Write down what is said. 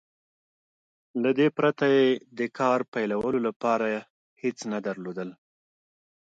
له دې پرته يې د کار پيلولو لپاره هېڅ نه درلودل.